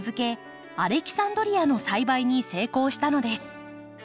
アレキサンドリアの栽培に成功したのです。